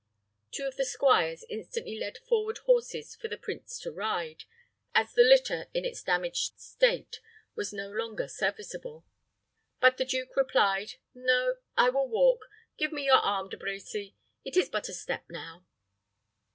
Two of the squires instantly led forward horses for the prince to ride, as the litter, in its damaged state, was no longer serviceable. But the duke replied, "No, I will walk. Give me your arm, De Brecy; it is but a step now."